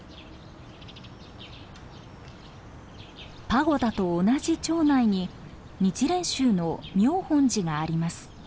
パゴダと同じ町内に日蓮宗の妙本寺があります。